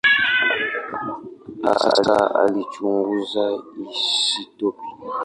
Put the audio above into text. Hasa alichunguza isotopi.